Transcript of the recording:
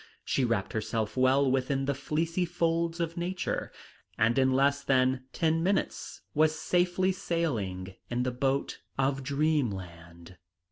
She wrapped herself well within the fleecy folds of nature, and in less than ten minutes was safely sailing in the boat of dreamland.